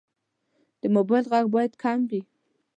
د موبایل غږ باید کم وي.